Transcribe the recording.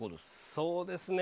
そうですね。